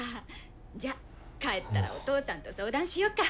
じゃ帰ったらお父さんと相談しようか。